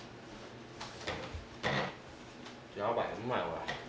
やばいうまいわ。